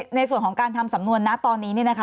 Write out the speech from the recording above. ในส่วนของการทำสำนวนนะตอนนี้